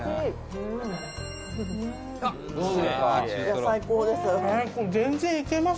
「最高です」